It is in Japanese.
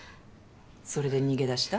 それで逃げ出した？